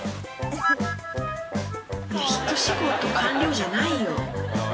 いや「ひと仕事完了」じゃないよ。